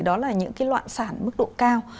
đó là những loạn sản mức độ cao